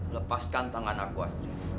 lepaskan tangan aku asli